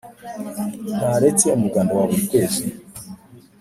ntaretse umuganda wa buri kwezi